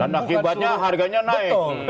dan akibatnya harganya naik